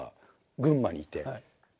群馬にいて。